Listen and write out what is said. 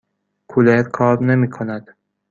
کولر کار نمی کند.